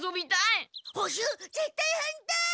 ほ習ぜったい反対！